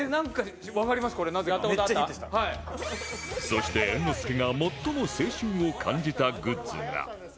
そして猿之助が最も青春を感じたグッズが